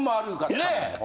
ねえ。